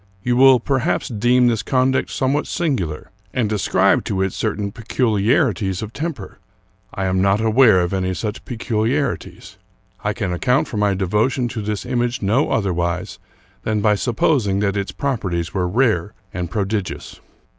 You will perhaps deem this conduct somewhat singular, and ascribe it to certain peculiarities of temper. I am not aware of any such peculiarities. I can account for my devotion to this image no otherwise than by supposing that its properties were rare and prodigious.